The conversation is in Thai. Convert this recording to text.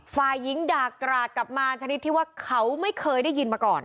ฝ่ายหญิงด่ากราดกลับมาชนิดที่ว่าเขาไม่เคยได้ยินมาก่อน